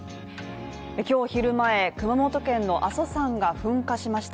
今日昼前、熊本県の阿蘇山が噴火しました。